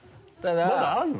まだあるの？